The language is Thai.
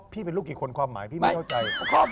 พี่เป็นลูกกี่คนความหมายพี่ไม่เข้าใจ